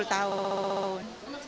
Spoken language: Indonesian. anak sepuluh tahun